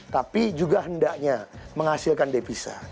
tapi juga hendaknya menghasilkan devisa